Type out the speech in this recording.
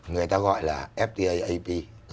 người ta gọi là ftaap